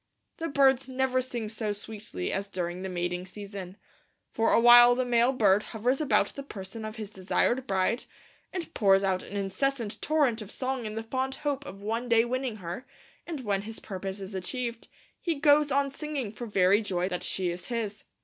The birds never sing so sweetly as during the mating season. For awhile the male bird hovers about the person of his desired bride, and pours out an incessant torrent of song in the fond hope of one day winning her; and when his purpose is achieved, he goes on singing for very joy that she is his.